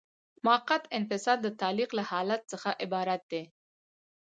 موقت انفصال د تعلیق له حالت څخه عبارت دی.